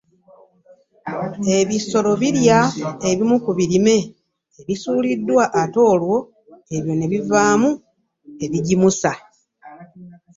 Ebisolo birya ebimu ku birime ebisuuliddwa ate olwo byo ne bivaamu ebigimusa.